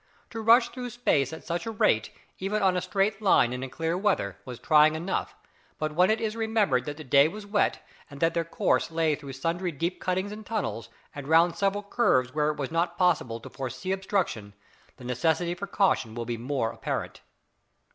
To rush through space at such a rate, even on a straight line and in clear weather, was trying enough, but when it is remembered that the day was wet, and that their course lay through sundry deep cuttings and tunnels, and round several curves where it was not possible to foresee obstruction, the necessity for caution will be more apparent.